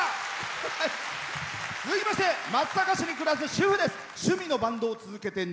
続きまして松阪市に暮らす主婦です。